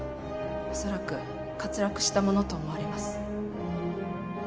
恐らく滑落したものと思われます。